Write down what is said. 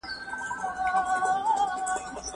د سکرین عکس د ده د پام وړ وګرځېد.